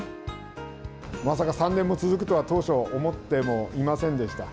まさか３年も続くとは、当初思ってもいませんでした。